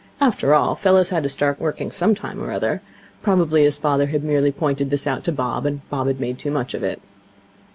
After all, fellows had to start working some time or other. Probably his father had merely pointed this out to Bob, and Bob had made too much of it.